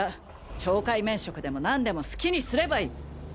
懲戒免職でも何でも好きにすればいい！